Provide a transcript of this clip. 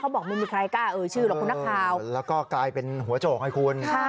บอกไม่มีใครกล้าเอ่ยชื่อหรอกคุณนักข่าวแล้วก็กลายเป็นหัวโจกให้คุณ